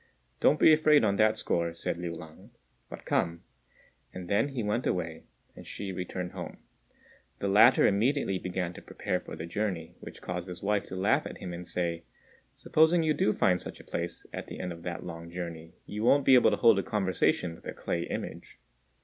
"Don't be afraid on that score," said Liu lang, "but come;" and then he went away, and Hsü returned home. The latter immediately began to prepare for the journey, which caused his wife to laugh at him and say, "Supposing you do find such a place at the end of that long journey, you won't be able to hold a conversation with a clay image."